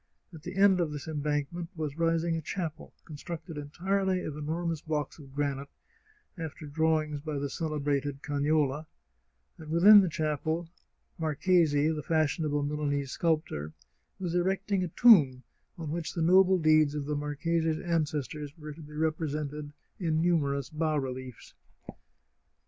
At the end of this em bankment was rising a chapel, constructed entirely of enor mous blocks of granite, after drawings by the celebrated Cagnola, and within the chapel, Marchesi, the fashionable Milanese sculptor, was erecting a tomb on which the noble deeds of the marchese's ancestors were to be represented in numerous bas reliefs.